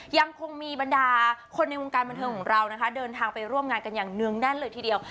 ยังคงมีบรรดาคนในวงการบันเทิงของเรานะคะเดินทางไปร่วมงานกันอย่างเนื่องแน่นเลยทีเดียว